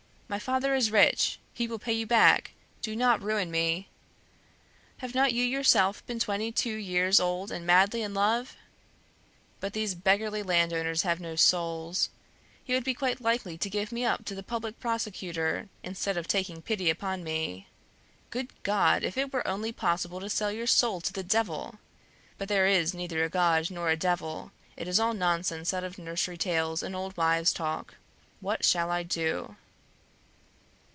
My father is rich, he will pay you back; do not ruin me! Have not you yourself been twenty two years old and madly in love?' But these beggarly landowners have no souls! He would be quite likely to give me up to the public prosecutor, instead of taking pity upon me. Good God! if it were only possible to sell your soul to the Devil! But there is neither a God nor a Devil; it is all nonsense out of nursery tales and old wives' talk. What shall I do?"